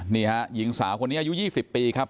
นี่ฮะหญิงสาวคนนี้อายุ๒๐ปีครับ